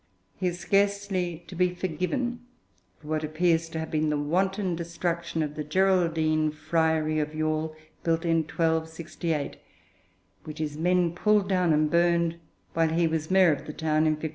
He is scarcely to be forgiven for what appears to have been the wanton destruction of the Geraldine Friary of Youghal, built in 1268, which his men pulled down and burned while he was mayor of the town in 1587.